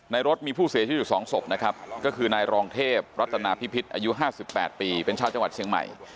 รถมีผู้เสียชีวิตอยู่๒ศพนะครับก็คือนายรองเทพรัตนาพิพิษอายุ๕๘ปีเป็นชาวจังหวัดเชียงใหม่